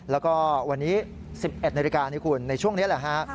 แล้วก็วันนี้๑๑นาฬิกานี่คุณในช่วงนี้แหละฮะ